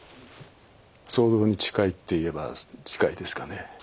想像に近いっていえば近いですかね。